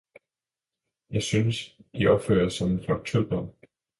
Jeg synes, I opfører jer som en flok tølpere.